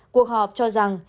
cuộc họp cho rằng